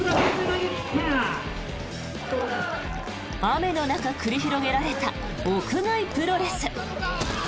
雨の中繰り広げられた屋外プロレス。